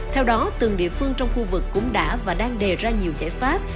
theo đó từng địa phương trong khu vực cũng đã và đang đề ra nhiều giải pháp